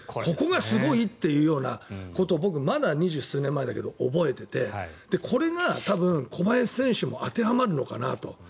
ここがすごいっていうことを僕、まだ２０数年前だけど覚えていてこれが多分、小林選手も当てはまるのかなと。